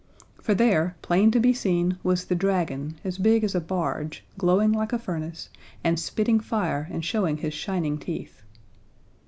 For there, plain to be seen, was the dragon, as big as a barge, glowing like a furnace, and spitting fire and showing his shining teeth.